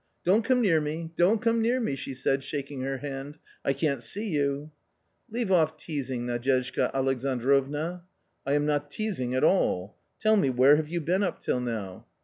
" Don't come near me, don't come near me," she said, shaking her hand ;" I can't see you "" Leave off teazing, Nadyezhda Alexandrovna." "lam not teazing at all. Tell me, where have you been up till now